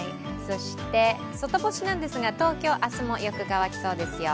外干しなんですが、東京、明日もよく乾きそうですよ。